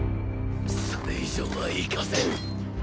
それ以上は行かせん。